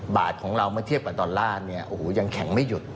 บาทของเราเมื่อเทียบกับตลาดยังแข็งไม่หยุด